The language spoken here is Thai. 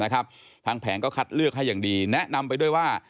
ทางแผงก็คัดเลือกให้อย่างดีแนะนำไปด้วยว่า